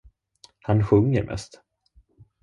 Han sjunger mest.